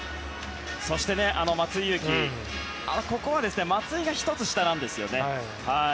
そして、松井裕樹松井が１つ下なんですよね。